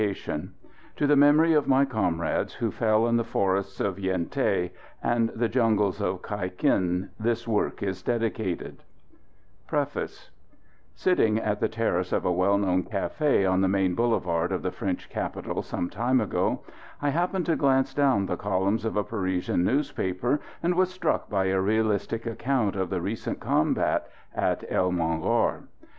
SARL WITH MAP AND ILLUSTRATIONS LONDON JOHN MURRAY, ALBEMARLE STREET 1907 TO THE MEMORY OF MY COMRADES WHO FELL IN THE FORESTS OF YEN THÉ AND THE JUNGLES OF KAI KINH, THIS WORK IS DEDICATED PREFACE Sitting at the terrace of a well known café, on the main boulevard of the French capital, some time ago, I happened to glance down the columns of a Parisian newspaper, and was struck by a realistic account of the recent combat at El Moungar.